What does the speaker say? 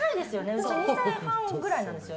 うち２歳半くらいなんですよ。